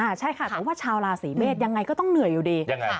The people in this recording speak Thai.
ใช่ค่ะแต่ว่าชาวราศีเมษยังไงก็ต้องเหนื่อยอยู่ดียังไง